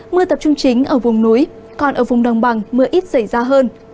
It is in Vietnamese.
mưa tập trung chính ở vùng núi còn ở vùng đồng bằng mưa ít xảy ra hơn